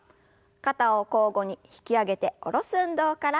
肩を交互に引き上げて下ろす運動から。